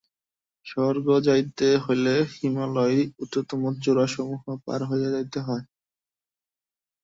স্বর্গে যাইতে হইলে হিমালয়ের উচ্চতম চূড়াসমূহ পার হইয়া যাইতে হয়।